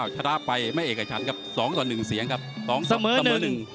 ชนะไปแม่เอกกับฉันครับ๒ตัว๑เสียงครับ๒ตำนึง